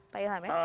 pak ilham ya